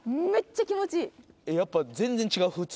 めっちゃ気持ちいいやっぱ全然違う？